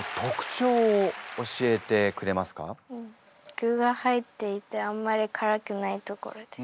具が入っていてあんまりからくないところです。